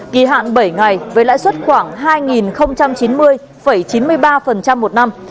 kỳ hạn bảy ngày với lãi suất khoảng hai chín mươi chín mươi ba một năm